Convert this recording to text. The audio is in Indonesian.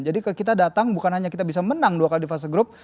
jadi kita datang bukan hanya kita bisa menang dua kali di fase grup